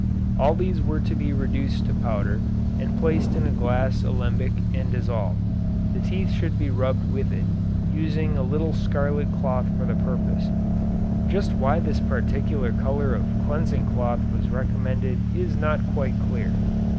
All these were to be reduced to powder and placed in a glass alembic and dissolved. The teeth should be rubbed with it, using a little scarlet cloth for the purpose. Just why this particular color of cleansing cloth was recommended is not quite clear.